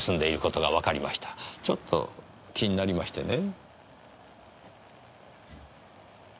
ちょっと気になりましてね。